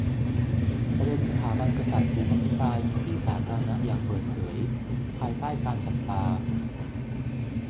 ประเด็นสถาบันกษัตริย์ถูกอภิปรายในที่สาธารณะอย่างเปิดเผย ภายใต้การจับตา